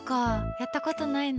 やったことないな。